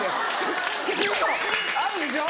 あるでしょ？